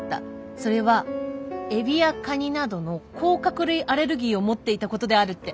それはエビやカニなどの甲殻類アレルギーを持っていたことである」って！